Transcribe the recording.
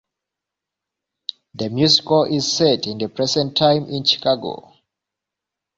The musical is set in the present time in Chicago.